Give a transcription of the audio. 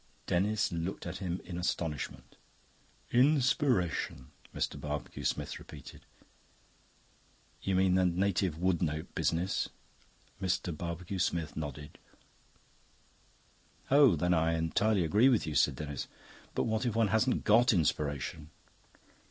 Denis looked at him in astonishment. "Inspiration..." Mr. Barbecue Smith repeated. "You mean the native wood note business?" Mr. Barbecue Smith nodded. "Oh, then I entirely agree with you," said Denis. "But what if one hasn't got Inspiration?"